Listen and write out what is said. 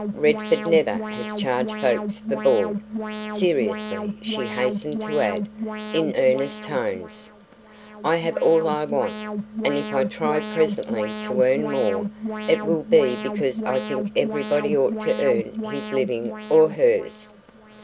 Redford never has charged folks for board. Seriously," she hastened to add, in earnest tones, "I have all I want. And if I try presently to earn more, it will be because I think everybody ought to earn his living or hers.